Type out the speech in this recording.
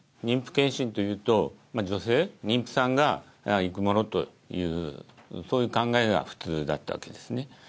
妊婦検診というと女性妊婦さんが行くものというそういう考えが普通だったわけですね。